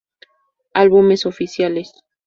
Álbumes oficiales